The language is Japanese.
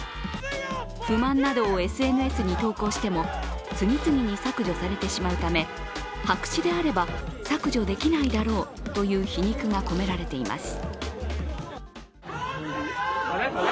不満などをＳＮＳに投稿しても次々に削除されてしまうため白紙であれば削除できないだろうという皮肉が込められています。